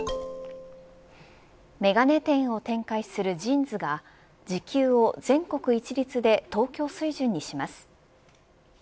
眼鏡店を展開するＪＩＮＳが時給を全国一律で東京水準にします。